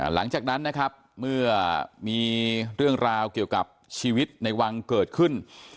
หลังจากนั้นนะครับเมื่อมีเรื่องราวเกี่ยวกับชีวิตในวังเกิดขึ้น